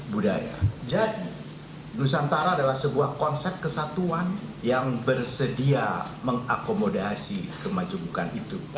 budaya jadi nusantara adalah sebuah konsep kesatuan yang bersedia mengakomodasi kemajumukan itu